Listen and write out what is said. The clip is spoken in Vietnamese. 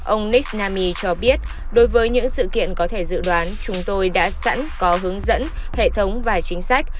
ông niknami cho biết đối với những sự kiện có thể dự đoán chúng tôi đã sẵn có hướng dẫn hệ thống và chính sách